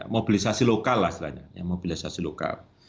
mobilisasi lokal lah istilahnya mobilisasi lokal